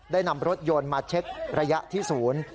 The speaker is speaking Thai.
นำรถยนต์มาเช็คระยะที่ศูนย์